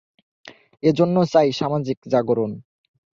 এ জন্য চাই সামাজিক জাগরণ।